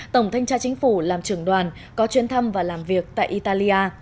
tổng thanh tra chính phủ làm trưởng đoàn có chuyến thăm và làm việc tại italia